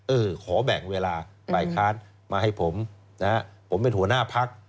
เออขอแบ่งเวลาฝ่ายค้านมาให้ผมนะฮะผมเป็นหัวหน้าพัก